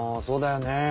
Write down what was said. そうだよね。